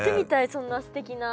そんなすてきな。